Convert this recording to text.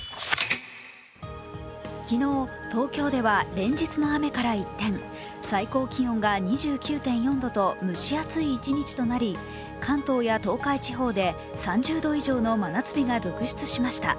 昨日、東京では連日の雨から一転最高気温が２９．４度と蒸し暑い一日となり、関東や東海地方で、３０度以上の真夏日が続出しました。